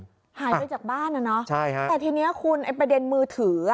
หายไปจากบ้านน่ะเนอะแต่ทีนี้คุณประเด็นมือถือ